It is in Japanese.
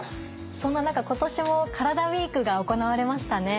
そんな中今年も「カラダＷＥＥＫ」が行われましたね。